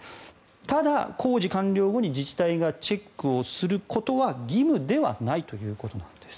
ただ、工事完了後に自治体がチェックすることは義務ではないということなんです。